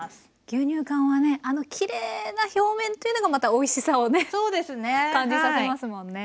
牛乳かんはねあのきれいな表面というのがまたおいしさをね感じさせますもんね。